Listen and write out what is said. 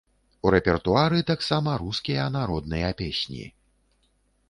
У рэпертуары таксама рускія народныя песні.